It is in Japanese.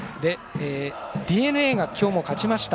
ＤｅＮＡが今日も勝ちました。